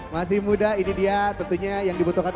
masih muda ini dia tentunya yang dibutuhkan